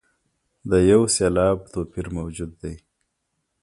د یو سېلاب توپیر موجود دی.